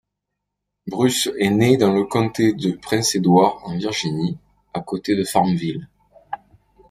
Bruce est né dans le comté du Prince-Édouard en Virginie, à côté de Farmville.